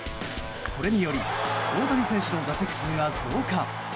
これにより大谷選手の打席数が増加。